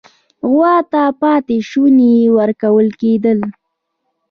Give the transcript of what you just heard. عوام ته پاتې شوني ورکول کېدل.